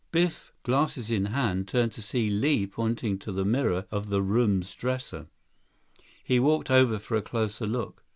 Biff, glasses in hand, turned to see Li pointing to the mirror of the room's dresser. He walked over for a closer look.